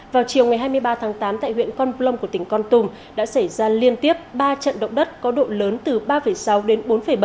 vào chiều ngày hai mươi ba tháng tám tại huyện con plong của tỉnh con tùm đã xảy ra liên tiếp ba trận động đất có độ lớn từ ba sáu đến bốn bảy